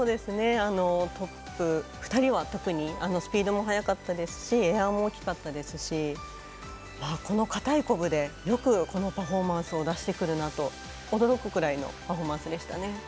トップ２人は特にスピードも速かったですしエアも大きかったですしこのかたいコブでよくこのパフォーマンスを出してくるなと驚くくらいのパフォーマンスでしたね。